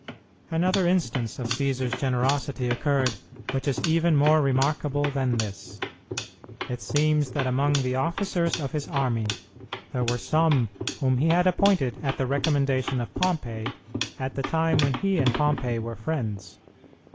Another instance of Cćsar's generosity occurred which is even more remarkable than this. It seems that among the officers of his army there were some whom he had appointed at the recommendation of Pompey, at the time when he and Pompey were friends.